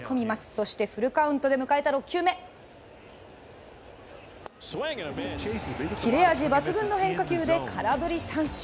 そしてフルカウントで迎えた６球目切れ味抜群の変化球で空振り三振。